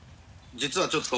実はちょっと。